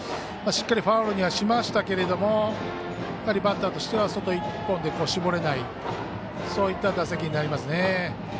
しっかりファウルにはしましたけどバッターとしては外１本で絞れないそういった打席になりますね。